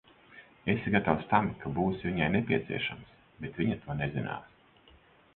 Esi gatavs tam, ka būsi viņai nepieciešams, bet viņa to nezinās.